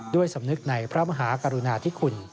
ด้วยสำนึกในพระมหากรุณาธิคุณ